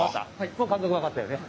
もう感覚わかったよね？